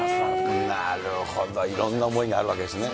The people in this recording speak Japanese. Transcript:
なるほど、いろんな思いがあるわけですね。